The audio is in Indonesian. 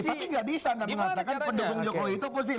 tapi nggak bisa anda mengatakan pendukung jokowi itu oposisi